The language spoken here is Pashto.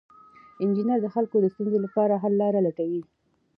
انجینر د خلکو د ستونزو لپاره حل لارې لټوي.